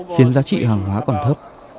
khiến giá trị hàng hóa còn thấp